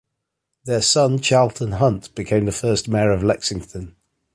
Their son Charlton Hunt became the first mayor of Lexington.